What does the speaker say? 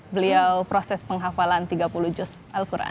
beliau proses penghafalan tiga puluh juz al quran